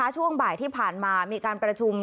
ช่วงบ่ายที่ผ่านมามีการประชุม